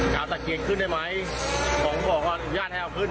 สังเกตขึ้นได้ไหมของบ่อก็อยู่ย่านแถวขึ้น